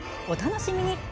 お楽しみに。